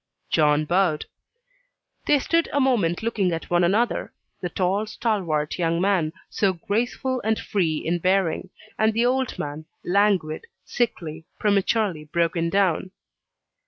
John bowed. They stood a moment looking at one another; the tall, stalwart young man, so graceful and free in bearing, and the old man, languid, sickly, prematurely broken down.